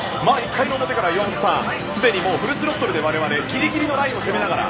１回の表から岩本さんすでにフルスロットルで我々、ギリギリラインを攻めながら。